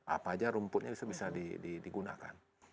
apa saja rumputnya bisa digunakan